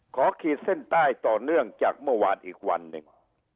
ขีดเส้นใต้ต่อเนื่องจากเมื่อวานอีกวันหนึ่ง